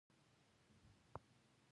دغه ودانۍ په ټوله نړۍ کې نه هیریدونکې دي.